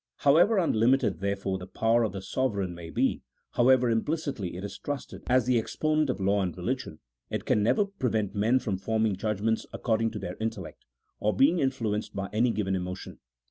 However unlimited, therefore, the power of a sovereign may be, however implicitly it is trusted as the exponent of law and religion, it can never prevent men from forming judgments according to their intellect, or being influenced by any given emotion.